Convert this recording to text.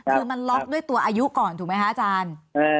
คือมันล็อกด้วยตัวอายุก่อนถูกไหมคะอาจารย์